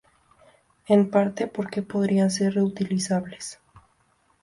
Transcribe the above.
En parte porque podrían ser reutilizables.